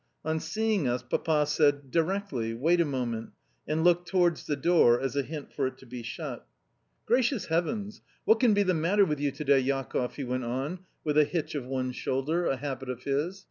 On seeing us, Papa said, "Directly wait a moment," and looked towards the door as a hint for it to be shut. "Gracious heavens! What can be the matter with you to day, Jakoff?" he went on with a hitch of one shoulder (a habit of his).